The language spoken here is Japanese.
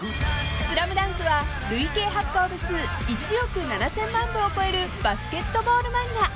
［『ＳＬＡＭＤＵＮＫ』は累計発行部数１億７，０００万部を超えるバスケットボール漫画］